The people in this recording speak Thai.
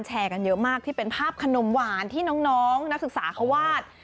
กันเยอะมากที่เป็นภาพขนมหวานที่น้องนักศึกษาเขาวาด